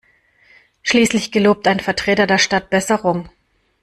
Schließlich gelobt ein Vertreter der Stadt Besserung.